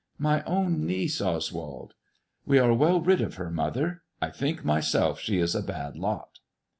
" My own niece, Oswald !"" We are well rid of her, mother. I think myself she is a bad lot."